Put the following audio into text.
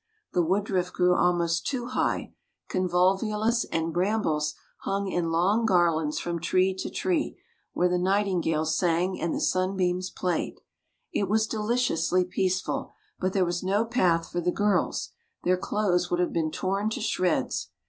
The woodruff grew almost too high, convolvulus and brambles hung in long garlands from tree to tree, where the nightingales sang and the sunbeams played. It was deliciously peaceful, but there was no path for the girls, their clothes would have been torn to shreds.